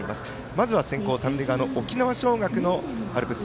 まずは先攻、三塁側の沖縄尚学のアルプス。